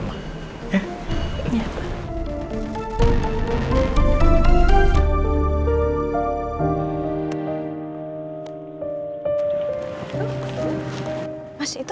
mas itu mama sama reina